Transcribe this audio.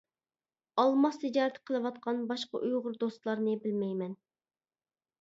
ئالماس تىجارىتى قىلىۋاتقان باشقا ئۇيغۇر دوستلارنى بىلمەيمەن.